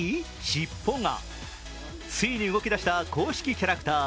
尻尾がついに動き出した公式キャラクター。